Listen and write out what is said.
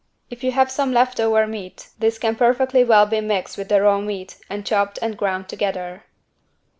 If you have some left over meat this can perfectly well be mixed with the raw meat and chopped and ground together.